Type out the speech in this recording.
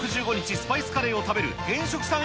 スパイスカレーを食べる偏食さん